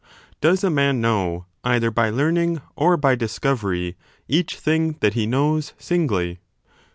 Does a man know either by learning or by discovery each thing that he knows, singly